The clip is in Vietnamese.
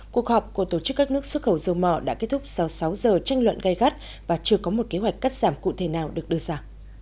cuộc họp của tổ chức các nước xuất khẩu dầu mỏ đã kết thúc sau sáu giờ tranh luận gai gắt và chưa có một kế hoạch cắt giảm cụ thể nào được đưa ra